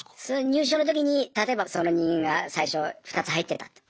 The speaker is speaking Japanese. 入所のときに例えばその人間が最初２つ入ってたと。